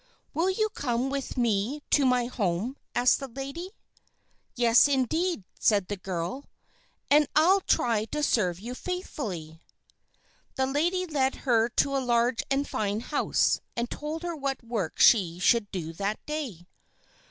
"Will you come with me to my home?" asked the lady. "Yes, indeed," said the girl, "and I'll try to serve you faithfully." The lady led her to a large and fine house, and told her what work she should do that day.